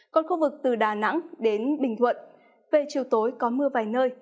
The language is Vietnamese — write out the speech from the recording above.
còn khu vực từ đà nẵng đến bình thuận về chiều tối có mưa vài nơi